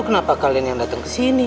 kenapa kalian yang datang kesini